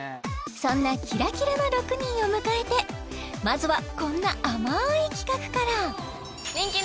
そんなキラキラな６人を迎えてまずはこんな甘い企画からイエ！